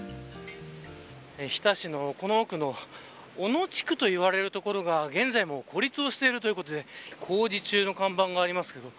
日田市のこの奥の小野地区という所が現在も孤立しているということで工事中の看板がありますけど。